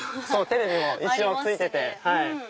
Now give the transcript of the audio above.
テレビも一応ついてて。